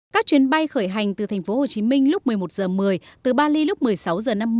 các chuyến bay khởi hành từ thành phố hồ chí minh lúc một mươi một h một mươi từ bali lúc một mươi sáu h năm mươi